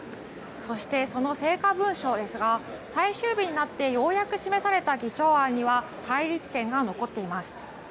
そして、その成果文書ですが最終日になってようやく示された議長案には対立点が残っています。